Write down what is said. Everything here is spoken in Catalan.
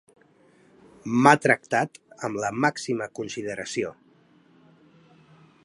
M'ha tractat amb la màxima consideració.